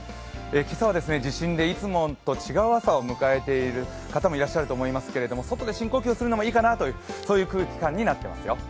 今朝は地震でいつもと違う朝を迎えている方もいらっしゃると思いますけれども外で深呼吸するのもいいかなという空気感となっていますよ。